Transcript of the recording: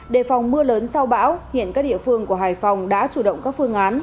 đề phòng mưa lớn sau bão hiện các địa phương của hải phòng đã chủ động các phương án